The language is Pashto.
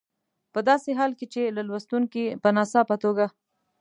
په داسې حال کې چې که لوستونکي په ناڅاپي توګه.